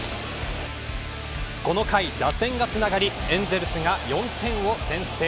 この回、打線がつながりエンゼルスが４点を先制。